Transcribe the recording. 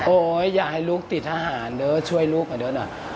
โอ๊ยอย่าให้ลูกติดทหารเดี๋ยวช่วยลูกมาเดี๋ยวหน่อย